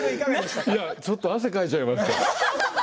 ちょっと汗かいちゃいました、